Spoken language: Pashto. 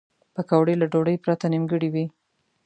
پکورې له ډوډۍ پرته نیمګړې وي